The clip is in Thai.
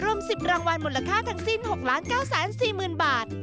รวม๑๐รางวัลมูลค่าทั้งสิ้น๖๙๔๐๐๐บาท